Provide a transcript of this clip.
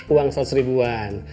uang seratus ribuan